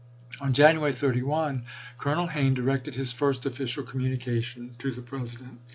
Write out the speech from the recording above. On January 31 Colonel Hayne directed his first official communica tion to the President.